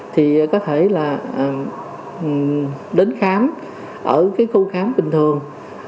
thì có thể là đến khám ở cái khâu khám bình thường